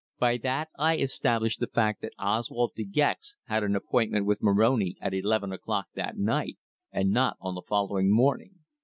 By that I established the fact that Oswald De Gex had an appointment with Moroni at eleven o'clock that night, and not on the following morning.